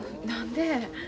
何で？